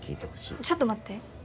ちょっと待って。